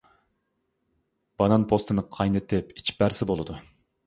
بانان پوستىنى قاينىتىپ ئىچىپ بەرسە بولىدۇ.